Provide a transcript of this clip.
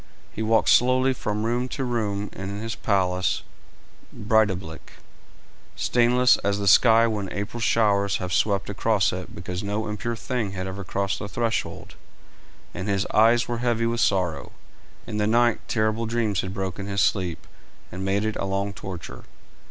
He walked slowly from room to room in his palace Breidablik, stainless as the sky when April showers have swept across it because no impure thing had ever crossed the threshold, and his eyes were heavy with sorrow. In the night terrible dreams had broken his sleep, and made it a long torture.